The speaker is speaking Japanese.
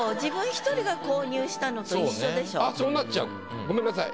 そうなっちゃうのごめんなさい。